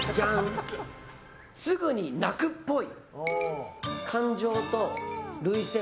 すぐに泣くっぽい。